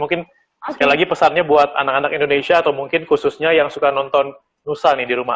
mungkin sekali lagi pesannya buat anak anak indonesia atau mungkin khususnya yang suka nonton nusa nih di rumah